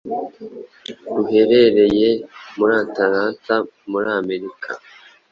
ruherereye muri Atlanta muri America